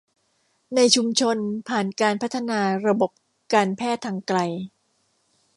ในชุมชนผ่านการพัฒนาระบบการแพทย์ทางไกล